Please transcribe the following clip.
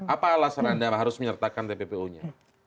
apa alasan anda harus menyertakan tppo nya